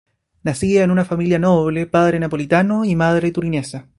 Nacida en una familia noble, padre napolitano y madre turinesa.